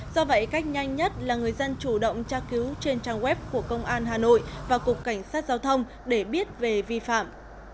do vậy cách nhanh nhất là người dân chủ động tra cứu trên trang web của công an hà nội và cục cảnh sát giao thông để biết về vi phạm